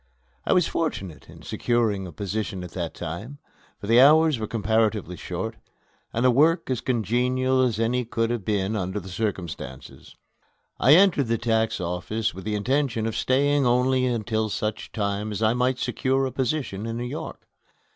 I was fortunate in securing such a position at that time, for the hours were comparatively short and the work as congenial as any could have been under the circumstances. I entered the Tax Office with the intention of staying only until such time as I might secure a position in New York.